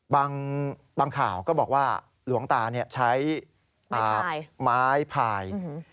บางข่าวก็บอกว่าหลวงตาใช้ไม้พาย